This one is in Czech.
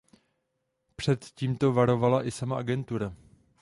Před tímto varovala i sama agentura.